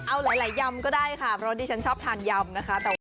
เอาหลายยำก็ได้ค่ะเพราะดิฉันชอบทานยำนะคะ